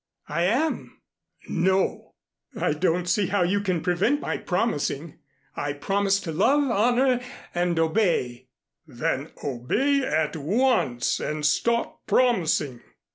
"I am." "No." "I don't see how you can prevent my promising. I promise to love, honor and obey " "Then obey at once and stop promising."